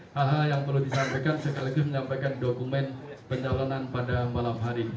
hal hal yang perlu disampaikan sekaligus menyampaikan dokumen pencalonan pada malam hari